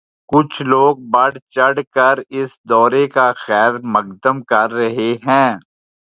کچھ لوگ بڑھ چڑھ کر اس دورے کا خیر مقدم کر رہے ہیں۔